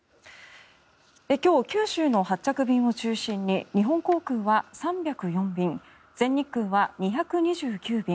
今日、九州の発着便を中心に日本航空は３０４便全日空は２２９便